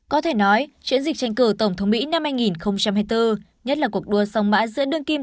có thể nói chiến dịch tranh cử tổng thống mỹ năm hai nghìn hai mươi bốn nhất là cuộc đua song mã giữa đương kim